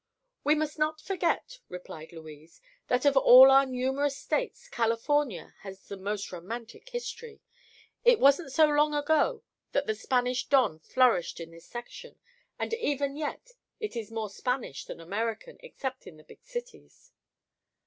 "We must not forget," replied Louise, "that of all our numerous states California has the most romantic history. It wasn't so long ago that the Spanish don flourished in this section and even yet it is more Spanish than American except in the big cities."